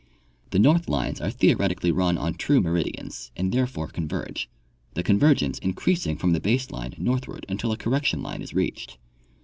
The north lines are theoretically run on true meridians and therefore converge, the convergence increasing from the base line north ward until a correction line is reached.